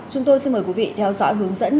chúng tôi xin mời quý vị theo dõi hướng dẫn